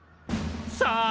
さあ